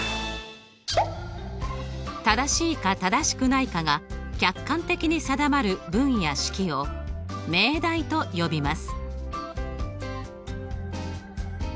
正しいか正しくないかが客観的に定まる文や式を命題と呼びます。